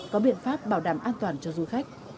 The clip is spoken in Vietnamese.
có biện pháp bảo đảm an toàn cho du khách